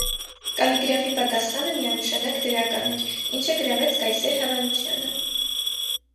Կալիգրաֆի պատասխանը միանշանակ դրական էր, ինչը գրավեց կայսեր հավանությանը։